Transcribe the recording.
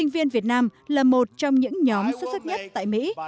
viên việt nam là một trong những nhóm xuất sức nhất tại mỹ